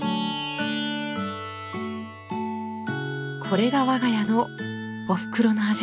これが我が家のおふくろの味。